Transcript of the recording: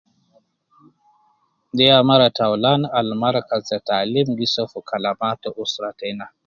De ya mara ta aulan al markaz ta taalim gi so fi kalamaa usra teina.